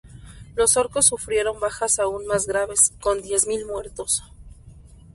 Los orcos sufrieron bajas aún más graves, con diez mil muertos.